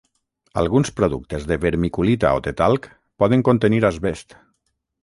Alguns productes de vermiculita o de talc poden contenir asbest.